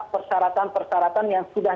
persyaratan persyaratan yang sudah